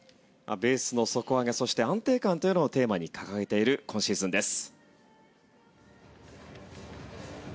ベースの底上げそして安定感というのをテーマに掲げている今シーズンです。